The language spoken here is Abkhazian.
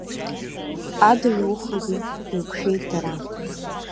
Адырҩаухагьы еиқәшәеит дара.